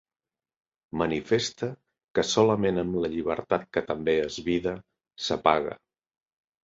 Manifeste que solament amb la llibertat que també és vida, s'apaga.